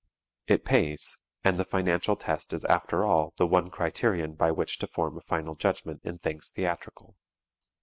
It pays; and the financial test is after all the one criterion by which to form a final judgment in things theatrical.